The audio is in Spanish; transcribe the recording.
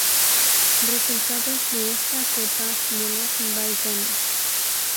Resultados de esta Copa de los Balcanes